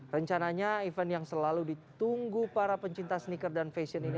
rencananya event yang selalu ditunggu para pencinta sneaker dan fashion ini